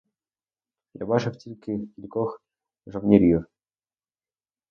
Я бачив тільки кількох жовнірів.